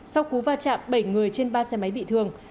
sau cú va chạm bảy người trên ba xe máy bị thương